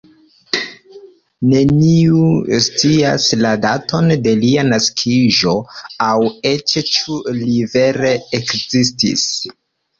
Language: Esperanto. Neniu scias la daton de lia naskiĝo, aŭ eĉ ĉu li vere ekzistis.